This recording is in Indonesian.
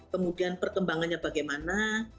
kemudian perkembangannya bagaimana